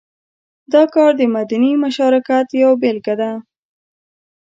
دا کار د مدني مشارکت یوه بېلګه ده.